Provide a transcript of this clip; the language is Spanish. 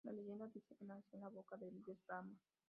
La leyenda dice que nació de la boca del dios Brahmá.